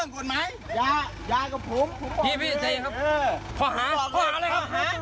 ก็หาก็หาเลยครับ